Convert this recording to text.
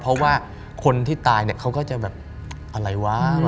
เพราะว่าคนที่ตายเนี่ยเขาก็จะแบบอะไรวะ